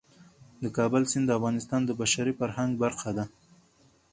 د کابل سیند د افغانستان د بشري فرهنګ برخه ده.